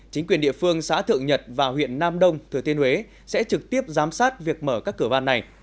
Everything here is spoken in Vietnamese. chính quyền địa phương xã thượng nhật và huyện nam đông thừa tiên huế sẽ trực tiếp giám sát việc mở các cửa van này